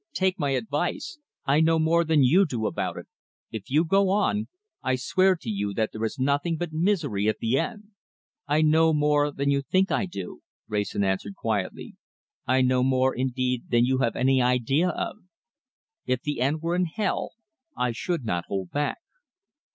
Take my advice. I know more than you do about it. If you go on, I swear to you that there is nothing but misery at the end." "I know more than you think I do," Wrayson answered quietly. "I know more indeed than you have any idea of. If the end were in hell I should not hold back."